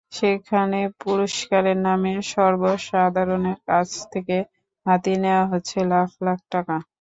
সেখানে পুরস্কারের নামে সর্বসাধারণের কাছ থেকে হাতিয়ে নেওয়া হচ্ছে লাখ লাখ টাকা।